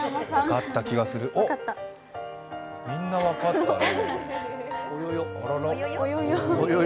みんな分かったね。